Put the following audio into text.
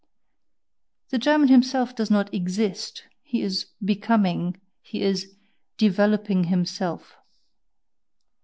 The German himself does not EXIST, he is BECOMING, he is "developing himself".